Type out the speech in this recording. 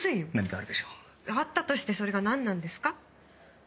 あったとしてそれがなんなんですか？